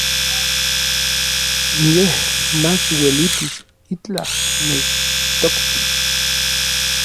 Yej mach uelitis itlaj nechtoktis.